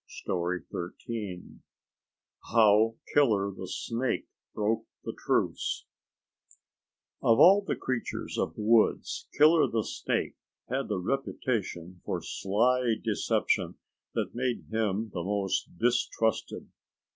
STORY XIII HOW KILLER THE SNAKE BROKE THE TRUCE Of all the creatures of the woods Killer the Snake had the reputation for sly deception that made him the most distrusted.